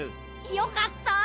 よかった。